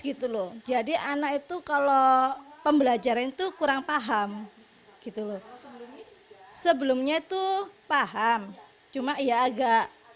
gitu loh jadi anak itu kalau pembelajaran itu kurang paham gitu loh sebelumnya itu paham cuma ya agak